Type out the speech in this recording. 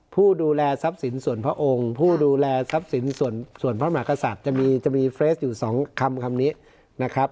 ผู้ดูแลทรัพย์สินส่วนพระองค์ผู้ดูแลทรัพย์สินส่วนพระมหากษัตริย์จะมีจะมีเฟรสอยู่๒คำคำนี้นะครับ